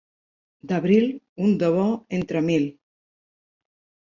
D'abril, un de bo entre mil.